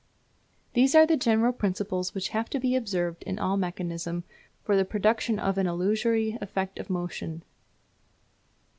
These are the general principles which have to be observed in all mechanism for the production of an illusory effect of motion.